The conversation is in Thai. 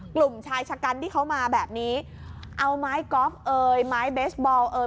กลุ่มชายชะกันที่เขามาแบบนี้เอาไม้กอล์ฟเอ่ยไม้เบสบอลเอ่ย